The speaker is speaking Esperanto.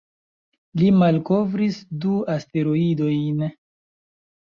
Li malkovris du asteroidojn.